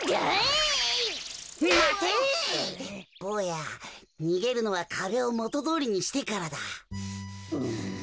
ぼうやにげるのはかべをもとどおりにしてからだ。